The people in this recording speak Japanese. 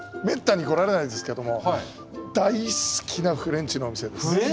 めったに来られないんですけども大好きなフレンチのお店です。